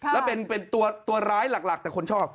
แล้วเป็นตัวร้ายหลักแต่คนชอบ